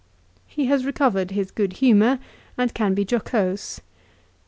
3 He has recovered his good humour and can be jocose.